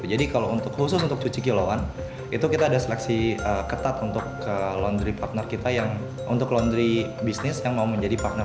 jadi kalau untuk khusus untuk cuci kilauan itu kita ada seleksi ketat untuk laundry partner kita yang untuk laundry bisnis yang mau menjadi partner